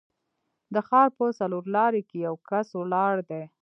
د ښار په څلورلارې کې یو کس ولاړ دی.